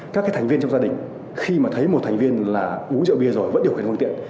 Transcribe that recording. các thành viên trong gia đình khi mà thấy một thành viên là uống rượu bia rồi vẫn điều khiển phương tiện